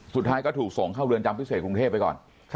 สุดท้ายก็ถูกส่งเข้าเรือนจำพิเศษกรุงเทพไปก่อน